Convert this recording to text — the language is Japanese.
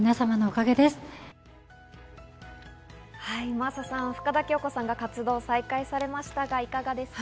真麻さん、深田恭子さんが活動再開されました、いかがですか。